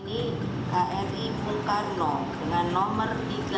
ini kri bung karno dengan nomor tiga ratus enam puluh sembilan